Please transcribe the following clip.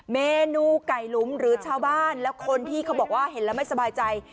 เมนูไก่หลุมหรือชาวบ้านแล้วคนที่เขาบอกว่าเห็นแล้วไม่สบายใจ